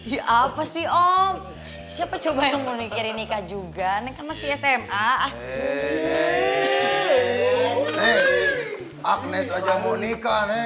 iya apa sih om siapa coba yang mau mikir nikah juga neng kan dia mau menikah juga menikah juga sama si kobar itu